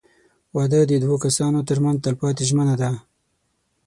• واده د دوه کسانو تر منځ تلپاتې ژمنه ده.